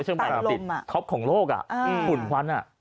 เชียงใหม่อาหารติดท็อปของโลกอ่ะขุนควันอ่ะ